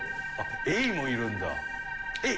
エイもいるんだ。